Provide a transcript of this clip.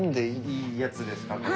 いいやつですか？